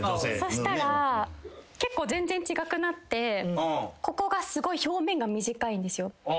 そしたら結構全然違くなってここが表面が短いんですよ。